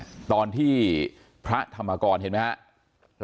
นับผ่านมาตอนที่พระธรรมกรเห็นไหมครับ